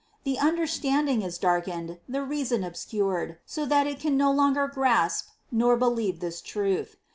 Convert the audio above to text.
The understanding is darkened, the reason obscured, so that it can no longer grasp nor believe this truth.